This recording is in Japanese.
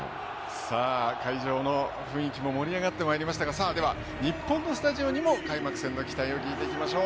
会場の雰囲気も盛り上がってまいりましたが日本のスタジオにも開幕戦の期待聞いていきましょう。